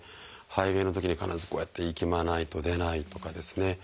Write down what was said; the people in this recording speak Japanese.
排便のときには必ずこうやっていきまないと出ないとかですね